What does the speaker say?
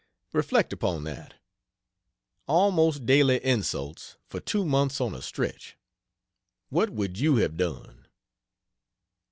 Reflect upon that: "Almost daily" insults, for two months on a stretch. What would you have done?